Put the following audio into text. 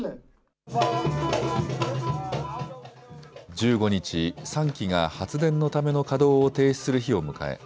１５日、３基が発電のための稼働を停止する日を迎え